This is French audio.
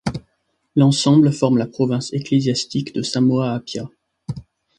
L'ensemble forme la province ecclésiastique de Samoa-Apia.